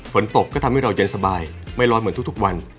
ฝนตกก็ทำให้เราเย็นสบายไม่ร้อนเหมือนทุกวัน